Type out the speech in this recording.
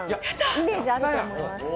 イメージあると思います。